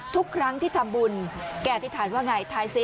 ทุกครั้งที่ทำบุญแกอธิษฐานว่าไงท้ายสิ